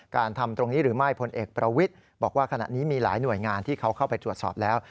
ทำตรงนี้หรือไม่พลเอกประวิทย์บอกว่าขณะนี้มีหลายหน่วยงานที่เขาเข้าไปตรวจสอบแล้ว